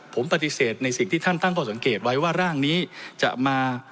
ผมปฏิเสธในสิ่งที่ท่านตั้งข้อสังเกตไว้ว่าร่างนี้จะมา